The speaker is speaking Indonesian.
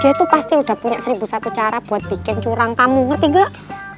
dia tuh pasti udah punya seribu satu cara buat bikin curang kamu ngerti gak